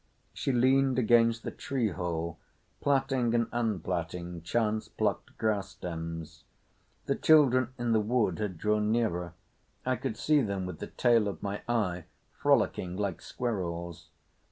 She leaned against the tree hole plaiting and unplaiting chance plucked grass stems. The children in the wood had drawn nearer. I could see them with the tail of my eye frolicking like squirrels.